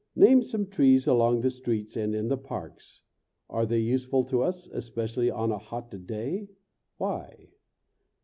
Name some trees along the streets and in the parks. Are they useful to us, especially on a hot day? Why?